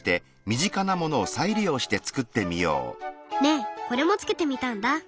ねえこれも付けてみたんだ。